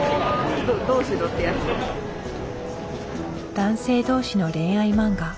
男性同士の恋愛漫画。